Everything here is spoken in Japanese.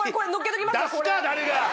出すか誰が！